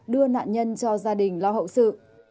đưa nạn nhân cho gia đình lo hậu sự